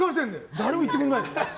誰も言ってくれないから。